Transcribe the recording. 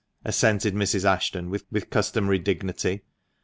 assented Mrs. Ashton, with customary dignity.